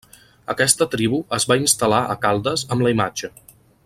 Aquesta tribu es va instal·lar a Caldes amb la imatge.